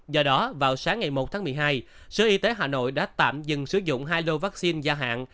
do đó vào sáng ngày một tháng một mươi hai sở y tế hà nội đã tạm dừng sử dụng hai lô vaccine gia hạn